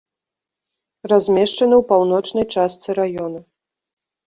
Размешчаны ў паўночнай частцы раёна.